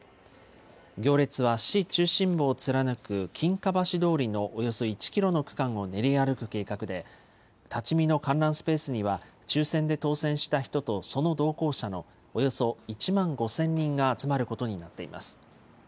行列は市中心部を貫く金華橋通りのおよそ１キロの区間を練り歩く計画で、立ち見の観覧スペースには、抽せんで当せんした人とその同行者のおよそ１万５０００人が集まることになっています。